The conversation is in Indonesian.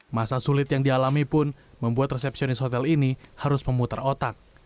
masa sulit yang dialami pun membuat resepsionis hotel ini harus memutar otak